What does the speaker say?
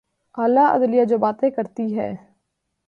اعلی عدلیہ جو باتیں کرتی ہے۔